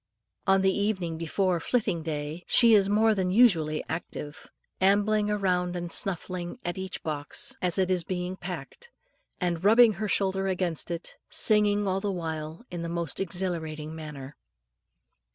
On the evening before "flitting day" she is more than usually active, ambling round and snuffing at each box as it is being packed, and rubbing her shoulder against it, singing all the while in a most exhilarating manner.